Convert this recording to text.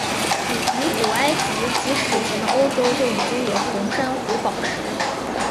于古埃及及史前的欧洲就已经有红珊瑚宝石。